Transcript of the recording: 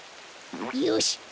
よし！